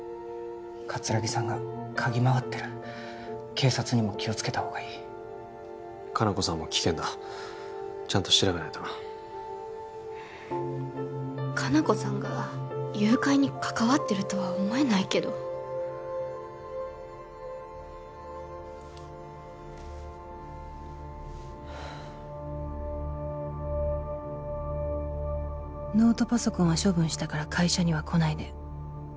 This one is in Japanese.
葛城さんが嗅ぎ回ってる警察にも気をつけたほうがいい香菜子さんも危険だちゃんと調べないとな香菜子さんが誘拐に関わってるとは思えないけど「ノートパソコンは処分したから会社にはこないで」